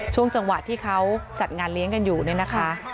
ช่วงจังหวะที่เขาจัดงานเลี้ยงกันอยู่เนี่ยนะคะ